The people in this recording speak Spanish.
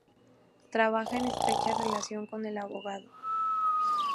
Trabaja en estrecha relación con el abogado.